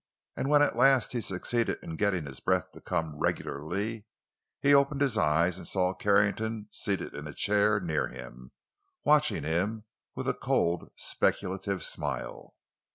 And when at last he succeeded in getting his breath to come regularly, he opened his eyes and saw Carrington seated in a chair near him, watching him with a cold, speculative smile.